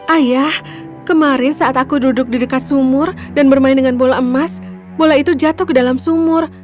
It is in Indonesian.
ayah kemarin saat aku duduk di dekat sumur dan bermain dengan bola emas bola itu jatuh ke dalam sumur